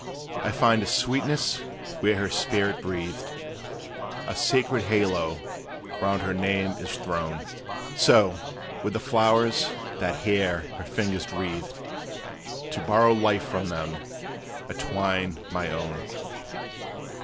I find a sweetness where her spirit breathed: A sacred halo round her name is thrown; So, with the flowers that here her fingers wreathed To borrow life from them, I twine my own.